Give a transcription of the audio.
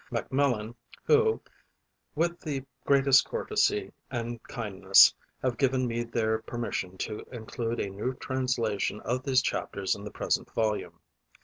Macmillan, who, with the greatest courtesy and kindness have given me their permission to include a new translation of these chapters in the present volume.